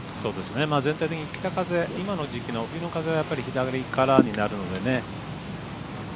全体的に北風今の時期はやっぱり左からになるので。